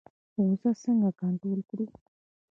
غوسه څنګه کنټرول کړو؟